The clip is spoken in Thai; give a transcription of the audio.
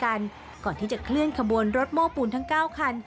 ขึ้นไปนั่งด้วยกันก่อนที่จะเคลื่อนขบวนรถโม้ปูนทั้ง๙คัน